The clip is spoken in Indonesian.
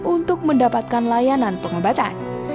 untuk mendapatkan layanan pengobatan